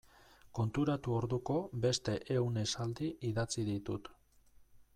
Konturatu orduko beste ehun esaldi idatzi ditut.